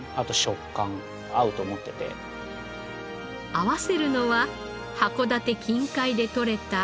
合わせるのは函館近海で取れたサクラマス。